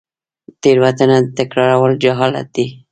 تیروتنه تکرارول جهالت دی